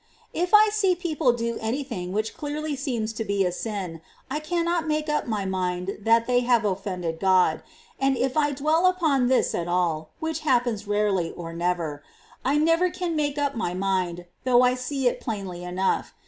22. If I see people do any thing which clearly ments^"^^' sccms to bc siu, I caunot make up my mind that they have oflPended God ; and if I dwell upon this at all, — which happens rarely or never, — I never can make up my mind, though I see it plainly enough.